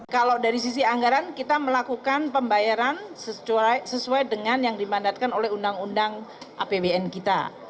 kalau dari sisi anggaran kita melakukan pembayaran sesuai dengan yang dimandatkan oleh undang undang apbn kita